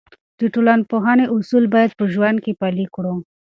د ټولنپوهنې اصول باید په ژوند کې پلي کړو.